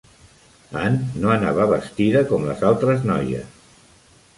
Anne no anava vestida com les altres noies!